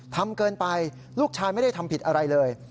ทำเกินไปลูกชายไม่ได้ทำผิดอะไรเลย